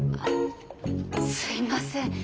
すいません。